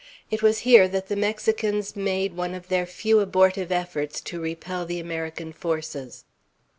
It was here that the Mexicans made one of their few abortive efforts to repel the American forces.